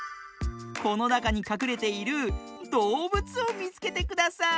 このなかにかくれているどうぶつをみつけてください。